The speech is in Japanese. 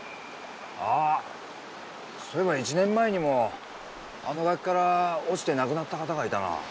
ああそういえば１年前にもあの崖から落ちて亡くなった方がいたな。